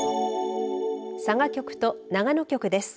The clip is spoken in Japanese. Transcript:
佐賀局と長野局です。